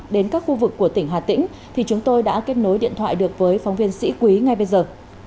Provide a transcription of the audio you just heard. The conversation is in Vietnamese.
đến các khu vực của tỉnh hà tĩnh thì chúng tôi đã kết nối điện thoại được với phóng viên sĩ quý ngay bây giờ